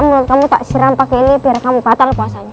menurut kamu tak siram pake ini biar kamu patah lho puasanya